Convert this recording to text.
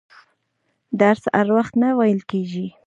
درس هر وخت نه ویل کیږي.